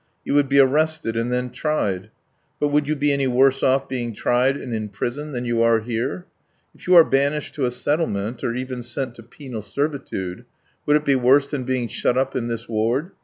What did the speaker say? You would be arrested and then tried. But would you be any worse off being tried and in prison than you are here? If you are banished to a settlement, or even sent to penal servitude, would it be worse than being shut up in this ward?